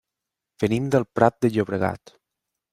Venim del Prat de Llobregat.